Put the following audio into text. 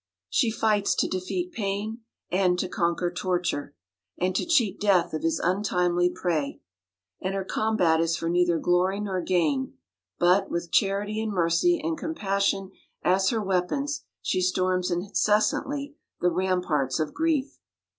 She fights to defeat pain, And to conquer torture, And to cheat death of his untimely prey. And her combat is for neither glory nor gain, but, with charity and mercy and compassion as her weapons, she storms incessantly the ramparts of grief.